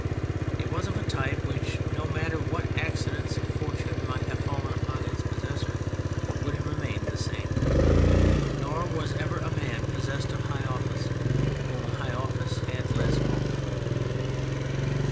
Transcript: It was of a type which, no matter what accidents of fortune might have fallen upon its possessor, would have remained the same. Nor was ever a man possessed of high office whom high office had less moulded.